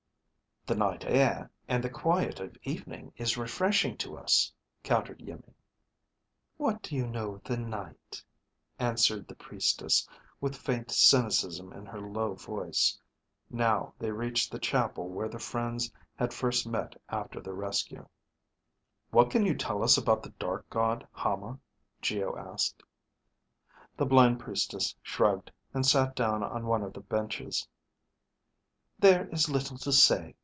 "The night air and the quiet of evening is refreshing to us," countered Iimmi. "What do you know of the night," answered the priestess with faint cynicism in her low voice. Now they reached the chapel where the friends had first met after their rescue. "What can you tell us about the Dark God Hama?" Geo asked. The blind Priestess shrugged, and sat down on one of the benches. "There is little to say.